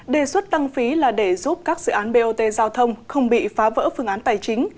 đề xuất tăng phí là để giúp các dự án bot giao thông không bị phá vỡ phương án tài chính